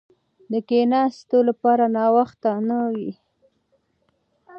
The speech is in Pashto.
د کښېناستو لپاره ناوخته نه وي.